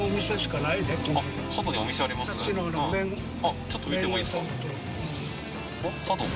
ちょっと見てもいいですか？